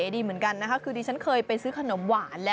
ดีเหมือนกันนะคะคือดิฉันเคยไปซื้อขนมหวานแล้ว